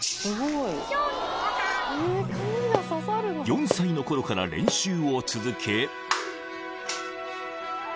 ［４歳の頃から練習を続け］